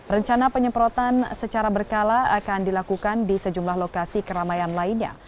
rencana penyemprotan secara berkala akan dilakukan di sejumlah lokasi keramaian lainnya